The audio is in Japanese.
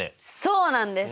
そうなんです！